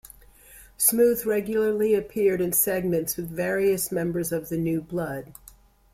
Smooth regularly appeared in segments with various members of the New Blood.